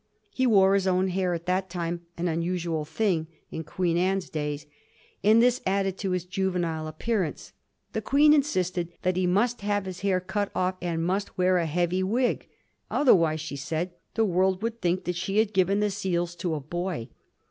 He wore his own hair at that time, an unusual thing in Anne's days, and this added to his juvenile appearance. The Queen insisted that he must have his hair cut off and must wear a heavy wig ; otherwise, she said, the world would think she had given the seals to a boy.